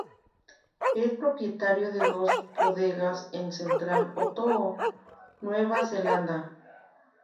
Es propietario de dos bodegas en Central Otago, Nueva Zelanda.